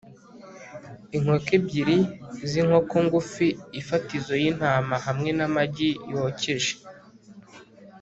inkoko ebyiri zinkoko ngufi ifatizo yintama hamwe namagi yokeje